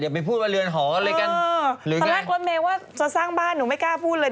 ไปพูดว่าเรือนหออะไรกันตอนแรกรถเมย์ว่าจะสร้างบ้านหนูไม่กล้าพูดเลย